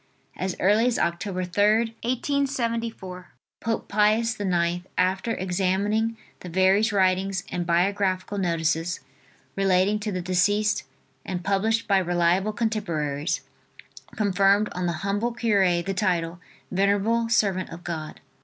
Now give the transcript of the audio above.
As early as Oct, 3d, 1874, Pope Pius IX, after examining the various writings and biographical notices relating to the deceased and published by reliable contemporaries, conferred on the humble cure the title "Venerable Servant of God."